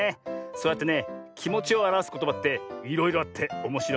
そうやってねきもちをあらわすことばっていろいろあっておもしろいよなあ。